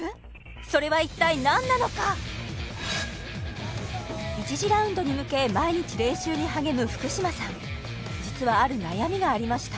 それは一体何なのか１次ラウンドに向け毎日練習に励む福嶌さん実はある悩みがありました